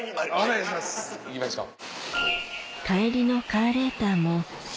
お願いします行きましょう。